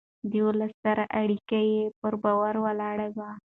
د ولس سره اړيکه يې پر باور ولاړه وه.